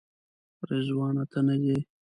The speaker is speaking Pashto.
رضوانه ته نه ځې؟